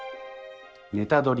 「ネタドリ！」